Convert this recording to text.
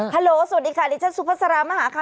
ฮัลโหลสวัสดีค่ะนี่ชั้นซุภาษารามหาค่ะ